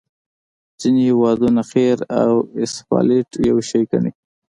ځینې هیوادونه قیر او اسفالټ یو شی ګڼي